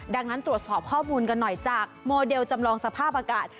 ดังนั้นตรวจสอบข้อมูลกันหน่อยจากโมเดลจำลองสภาพอากาศ